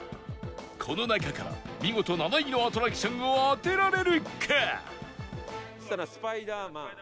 この中から見事７位のアトラクションを当てられるか？